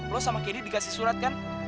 lo sama kid dikasih surat kan